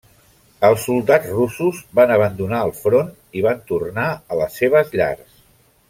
Els soldats russos van abandonar el front i van tornar a les seves llars.